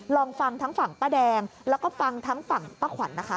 ลองฟังทั้งฝั่งป้าแดงแล้วก็ฟังทั้งฝั่งป้าขวัญนะคะ